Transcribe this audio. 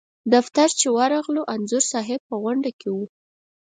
دفتر چې ورغلو انځور صاحب په غونډه کې و.